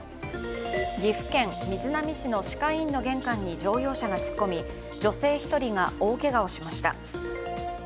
岐阜県瑞浪市の歯科医院の玄関に乗用車が突っ込み、女性１人が大けがをしました。